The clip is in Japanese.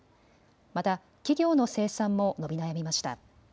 また企業の生産も伸び悩みました。